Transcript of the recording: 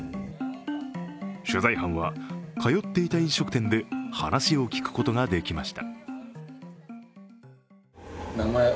取材班は、通っていた飲食店で話を聞くことができました。